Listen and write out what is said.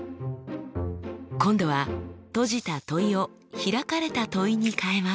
今度は閉じた問いを開かれた問いに変えます。